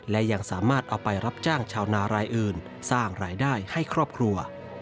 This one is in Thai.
และยังสามารถเอาไปรับจ้างชาวนารายอื่นสร้างรายได้ให้ครอบครัว